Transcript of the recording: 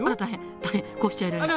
大変こうしちゃいられない。